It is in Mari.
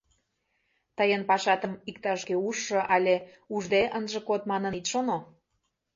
Тыйын пашатым иктаж-кӧ ужшо але ужде ынже код манын ит шоно.